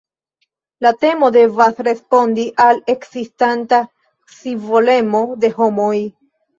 La temo devas respondi al ekzistanta scivolemo de homoj.